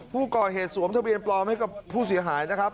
สวมทะเบียนปลอมให้กับผู้เสียหายนะครับ